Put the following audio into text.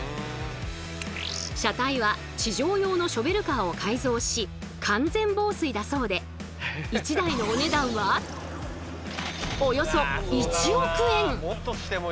車体は地上用のショベルカーを改造し完全防水だそうで１台のお値段はでもねおかげで続いては